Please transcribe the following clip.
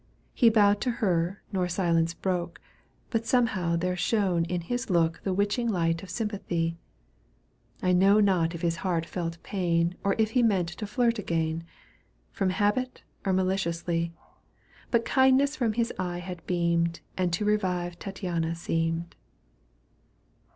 He bowed to her nor silence broke. But somehow there shone in his look The witching light of sympathy ; I know not if his heart felt pain Or if he meant to flirt again, From habit or maliciously. But kindness from his eye had beamed And to revive Tattiana seemed.